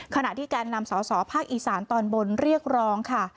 ขณะที่แกนนำสสภาคอีสานตอนบนเรียกร้องค่ะ